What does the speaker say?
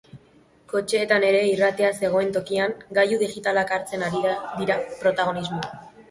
Kotxeetan ere, irratia zegoen tokian, gailu digitalak hartzen ari dira protagonismoa.